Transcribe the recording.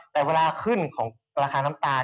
แต่เวลาขึ้นของราคาน้ำตาล